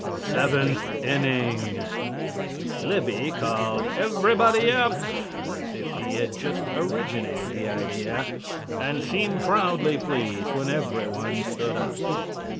SEVENTH INNING: Libby called "Everybody up!" as if he had just originated the idea, and seemed proudly pleased when everyone stood up.